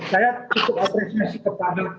saya cukup apresiasi kepada